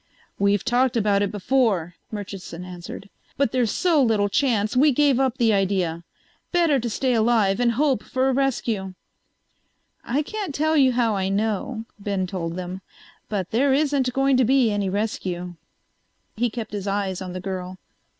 "We've talked about it before," Murchison answered. "But there's so little chance we gave up the idea. Better to stay alive and hope for a rescue." "I can't tell you how I know," Ben told them, "but there isn't going to be any rescue." He kept his eyes on the girl.